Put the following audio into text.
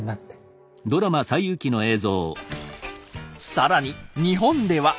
更に日本では。